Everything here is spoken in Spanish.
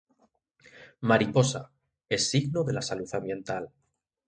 Mariposa: Es signo de la salud ambiental.